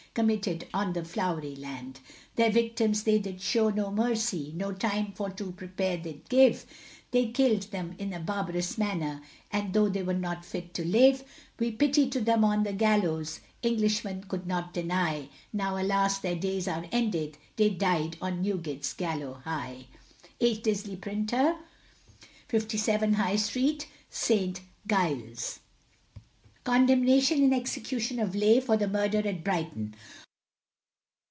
Committed on the Flowery Land. Their victims they did show no mercy, No time for to prepare did give, They kill'd them in a barbarous manner, And though they were not fit to live, We pity to them on the gallows, Englishmen could not deny, Now, alas, their days are ended, They died on Newgate's gallows high. H. Disley, Printer, 57, High Street, St. Giles. CONDEMNATION & EXECUTION OF LEIGH, For the Murder at Brighton.